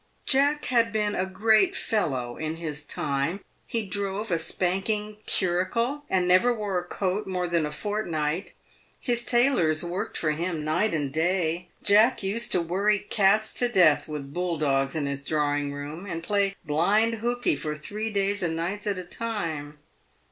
Jack had been a great fellow in his time. He drove a spanking curricle, and never wore a coat more than a fortnight. His tailors worked for him night and day. Jack used to worry cats to death with bull dogs in his drawing room, and play blind hookey for three days and nights at a time.